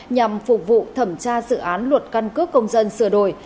nhằm phục vụ thẩm tra dự án luật căn cước công dân sửa đổi